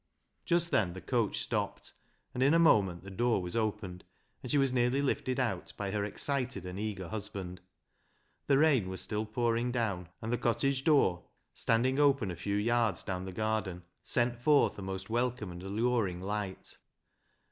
Just then the coach stopped, and in a moment the door was opened, and she was nearly lifted out by her excited and eager husband. The rain was still pouring down, and the cottage door, standing open a few yards down the garden, sent forth a most welcome and alluring light.